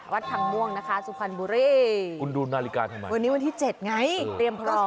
ทางม่วงนะคะสุพรรณบุรีคุณดูนาฬิกาทำไมวันนี้วันที่๗ไงเตรียมพร้อม